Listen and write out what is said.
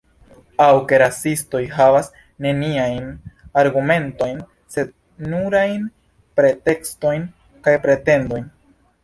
Aŭ ke rasistoj havas neniajn argumentojn, sed nurajn pretekstojn kaj pretendojn.